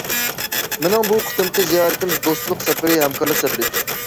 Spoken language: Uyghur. مېنىڭ بۇ قېتىمقى زىيارىتىم دوستلۇق سەپىرى، ھەمكارلىق سەپىرى.